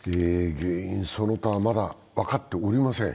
原因その他はまだ分かっておりません。